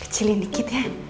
kecilin dikit ya